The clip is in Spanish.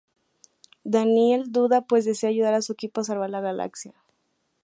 Daniel duda, pues desea ayudar a su equipo a salvar la galaxia.